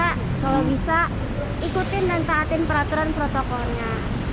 kalau bisa ikutin dan taatin peraturan protokolnya